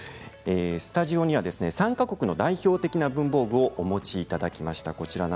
スタジオには３か国の代表的な文房具をお持ちいただきました。